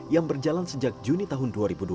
yang berjalan sejak juni tahun dua ribu dua puluh